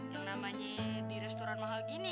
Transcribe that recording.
yang namanya di restoran mahal gini